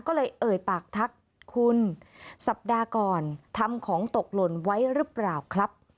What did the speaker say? ก็เลยเอ่ยปากทักคุณสัปดาห์ก่อนทำของตกหล่นไว้หรือเปล่าครับ